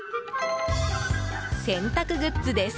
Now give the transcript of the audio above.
洗濯グッズです。